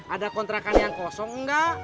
ada kontrakan yang kosong enggak